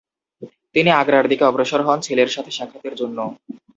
তিনি আগ্রার দিকে অগ্রসর হন ছেলের সাথে সাক্ষাতের জন্য।